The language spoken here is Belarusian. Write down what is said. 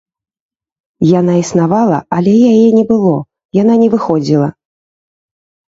Яна існавала, але яе не было, яна не выходзіла.